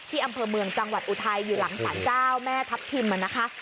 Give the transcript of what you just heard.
อำเภอเมืองจังหวัดอุทัยอยู่หลังศาลเจ้าแม่ทัพทิมนะคะ